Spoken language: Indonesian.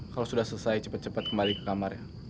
kalau sudah selesai cepat cepat kembali ke kamar ya